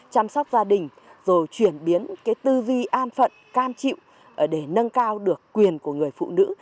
chăm sóc gia đình rồi chuyển biến tư duy an phận cam chịu để nâng cao được quyền của người phụ nữ